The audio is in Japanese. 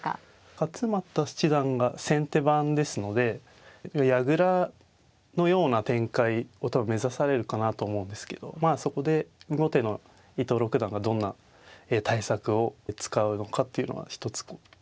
勝又七段が先手番ですので矢倉のような展開を目指されるかなと思うんですけどまあそこで後手の伊藤六段がどんな対策を使うのかっていうのが一つ注目かなと思います。